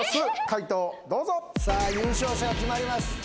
解答どうぞさあ優勝者が決まります